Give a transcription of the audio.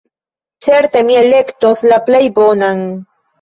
Certe mi elektos la plej bonan.